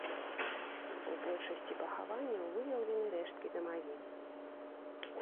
У большасці пахаванняў выяўлены рэшткі дамавін.